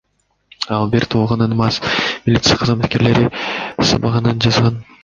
Ал бир тууганын мас милиция кызматкерлери сабаганын жазган.